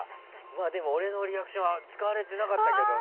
でも、俺のリアクションは使われてなかったけどね。